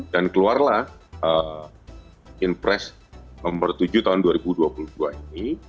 dan keluarlah inpres nomor tujuh tahun dua ribu dua puluh dua ini